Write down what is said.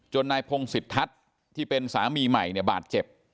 นายพงศิษทัศน์ที่เป็นสามีใหม่เนี่ยบาดเจ็บ